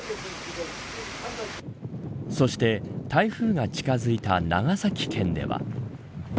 そして台風が近づいた長崎県では。